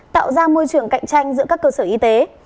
tạo ra môi trường cạnh tranh giữa các cơ sở y tế